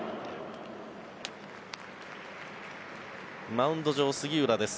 マウンド上、杉浦です